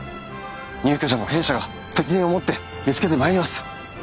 入居者も弊社が責任を持って見つけてまいります。